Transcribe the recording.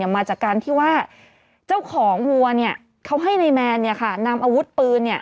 มาจากการที่ว่าเจ้าของวัวเนี่ยเขาให้นายแมนนำอาวุธปืน